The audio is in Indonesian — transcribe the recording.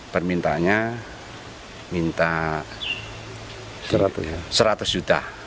permintaannya minta seratus juta